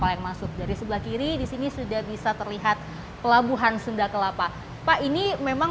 paling masuk dari sebelah kiri disini sudah bisa terlihat pelabuhan sunda kelapa pak ini memang